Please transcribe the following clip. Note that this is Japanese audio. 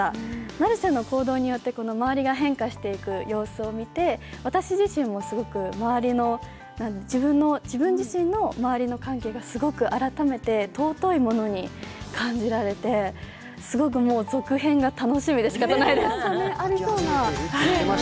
成瀬の行動によって周りが変化していく様子を見て、私自身もすごく、自分自身の周りの関係が改めて尊いものに感じられて酸辣湯麺売上Ｎｏ．１